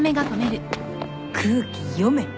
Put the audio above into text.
空気読め。